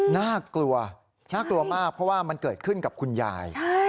น่ากลัวน่ากลัวมากเพราะว่ามันเกิดขึ้นกับคุณยาย